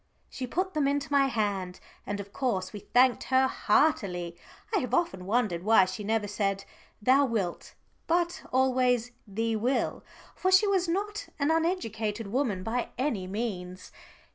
She put them into my hand, and of course we thanked her heartily. I have often wondered why she never said, "thou wilt," but always "thee will," for she was not an uneducated woman by any means.